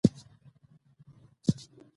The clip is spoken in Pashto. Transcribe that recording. اداري نظام د حساب ورکونې اصل پلي کوي.